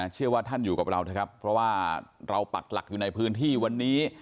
เชื่อว่าท่านอยู่กับเรานะครับเพราะว่าเราปักหลักอยู่ในพื้นที่วันนี้